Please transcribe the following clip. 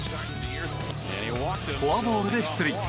フォアボールで出塁。